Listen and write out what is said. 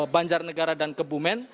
banjarnegara dan kebumen